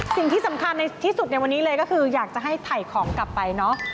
สิ่งที่สำคัญในที่สุดในวันนี้เลยก็คืออยากจะให้ถ่ายของกลับไปเนอะ